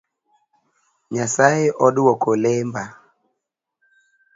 Nyasaye oduoko lemba